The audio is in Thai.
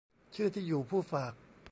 ชื่อที่อยู่ผู้ฝาก